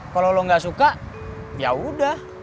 kalo lo gak suka yaudah